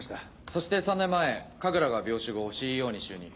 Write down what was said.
そして３年前神楽が病死後ＣＥＯに就任。